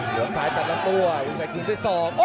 สวบท้ายตัดละผู้